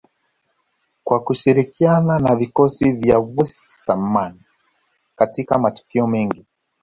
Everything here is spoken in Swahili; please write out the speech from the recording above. kwa kushirikiana na vikosi vya Wissmann katika matukio mengi